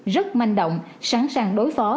rất manh động sẵn sàng đối phó